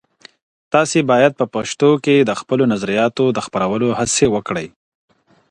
تاسي باید په پښتو کي د خپلو نظریاتو د خپرولو هڅي وکړئ